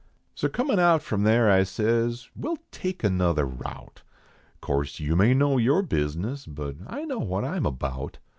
33 So coinin out from there I says, "We ll take another route; Course, you may know your bizness, but I know what I m about.